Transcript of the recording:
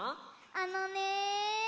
あのね。